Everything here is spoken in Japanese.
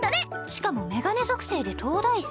しかも眼鏡属性で東大生。